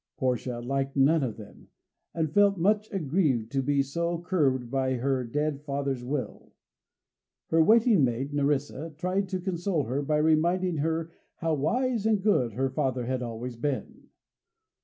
Portia liked none of them, and felt much aggrieved to be so curbed by her dead father's will. Her waiting maid Nerissa tried to console her by reminding her how wise and good her father had always been.